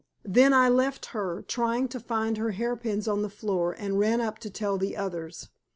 Then I left her, trying to find her hair pins on the floor, and ran up to tell the others.